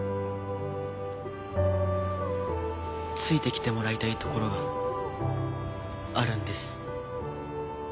ついてきてもらいたいところがあるんです。